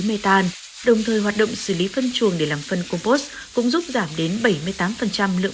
mê tan đồng thời hoạt động xử lý phân chuồng để làm phân compost cũng giúp giảm đến bảy mươi tám lượng